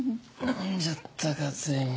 飲んじゃったかついに。